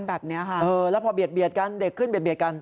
สภาพเป็นแบบนี้ค่ะแล้วพอเด็กขึ้นเบียดกัน